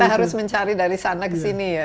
kita harus mencari dari sana ke sini ya